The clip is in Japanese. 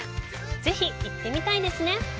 ぜひ行ってみたいですね！